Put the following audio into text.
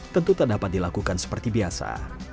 tentu tak dapat dilakukan seperti biasa